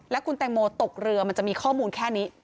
และคุณแตงโมตกเรือมันจะมีข้อมูลแค่นี้